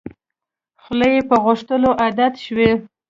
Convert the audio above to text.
خوله یې په غوښتلو عادت شوې.